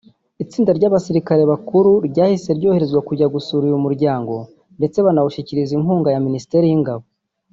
Itsinda ry'abasirikare bakuru ryahise ryoherezwa kujya gusura uyu muryango ndetse banawushyikiriza inkunga ya Ministeri y'ingabo